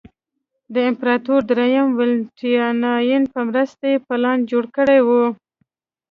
د امپراتور درېیم والنټیناین په مرسته یې پلان جوړ کړی و